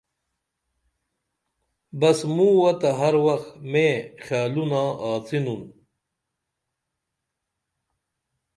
بس مووہ تہ ہر وخ مئیں خیالونہ آڅینُن